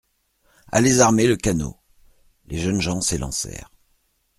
Allez armer le canot ! Les jeunes gens s'élancèrent.